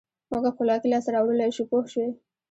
موږ خپلواکي لاسته راوړلای شو پوه شوې!.